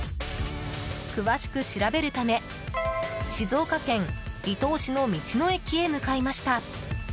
詳しく調べるため静岡県伊東市の道の駅へ向かいました。